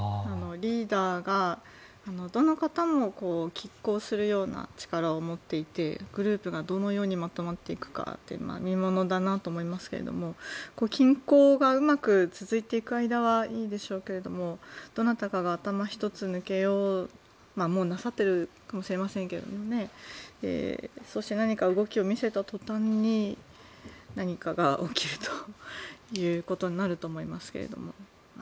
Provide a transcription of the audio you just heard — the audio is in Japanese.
リーダーがどの方も、きっ抗するような力を持っていてグループがどのようにまとまっていくかっていう見物だなと思いますけども均衡がうまく続いていく間はいいでしょうけどもどなたかが頭一つ抜けようともうなさっているかもしれませんがそうして何か動きを見せた途端に何かが起きるということになると思いますけれども。